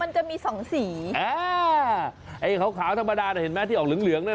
มันจะมีสองสีเออเฮ้ยขาวน่ะเห็นไหมที่ออกเหลืองนั่น